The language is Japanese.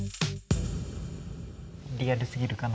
リアルすぎるかな？